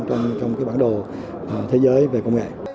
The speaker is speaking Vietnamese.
trong bản đồ thế giới về công nghệ